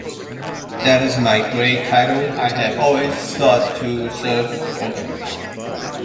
That is my great title: I have always sought to serve the country.